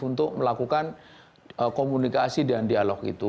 untuk melakukan komunikasi dan dialog itu